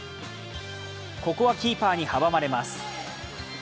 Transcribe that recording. ここはキーパーに阻まれます。